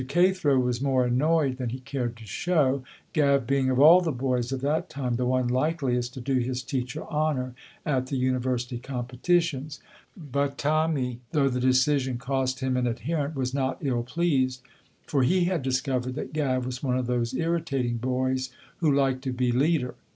Cathro was more annoyed than he cared to show, Gav being of all the boys of that time the one likeliest to do his teacher honor at the university competitions, but Tommy, though the decision cost him an adherent, was not ill pleased, for he had discovered that Gav was one of those irritating boys who like to be leader.